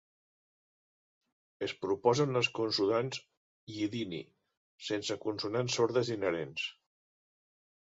Es proposen les consonants Yidiny, sense consonants sordes inherents.